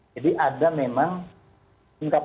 jadi ada memang